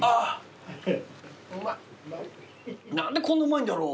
何でこんなうまいんだろ。